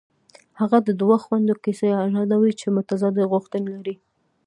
هغه د دوو خویندو کیسه رایادوي چې متضادې غوښتنې لري